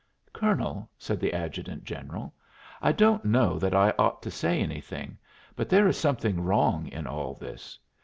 "Colonel," said the adjutant general, "I don't know that I ought to say anything, but there is something wrong in all this.